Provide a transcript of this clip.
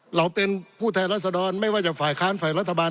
เราเป็นผู้แทนรัศดรไม่ว่าจะฝ่ายค้านฝ่ายรัฐบาล